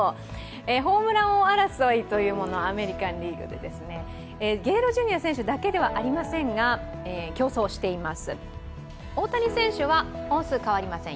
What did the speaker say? ホームラン王争い、アメリカンリーグでゲレーロＪｒ．選手だけではありませんが競争しています。